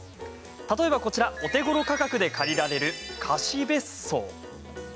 例えばこちら、お手ごろ価格で借りられる貸し別荘。